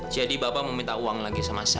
jadi bapak mau minta uang lagi sama saya ya